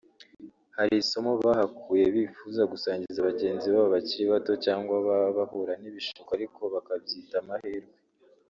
hari isomo bahakuye bifuza gusangiza bagenzi babo bakiri bato cyangwa baba bahura n’ibishuko ariko bakabyita amahirwe